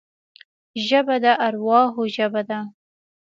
ژبه د ارواحو ژبه ده